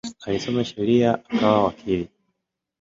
Alisoma sheria akawa wakili.